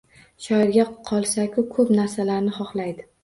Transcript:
Shoirga qolsa-ku, ko‘p narsalarni xoxlaydi.